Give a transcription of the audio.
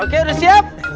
oke udah siap